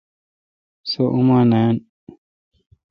سو اوما ناین۔